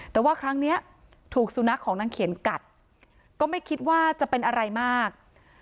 แต่ว่าครั้งนี้ถูกสุนัขของนางเขียนกัดก็ไม่คิดว่าจะเป็นอะไรมาก